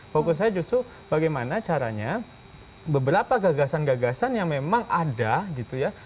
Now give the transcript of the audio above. fokus saya justru bagaimana caranya beberapa gagasan gagasan yang memang ada gitu ya